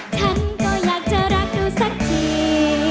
ฉันก็อยากจะรักดูสักที